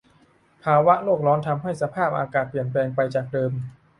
ภาวะโลกร้อนทำให้สภาพอากาศเปลี่ยนแปลงไปจากเดิม